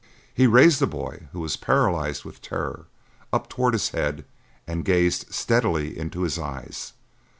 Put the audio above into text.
He raised the boy, who was paralyzed with terror, up toward his head and gazed steadily into his eyes.